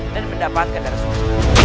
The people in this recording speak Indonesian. dan mendapatkan darah suci